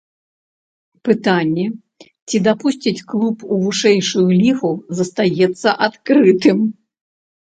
Пытанне, ці дапусцяць клуб у вышэйшую лігу, застаецца адкрытым.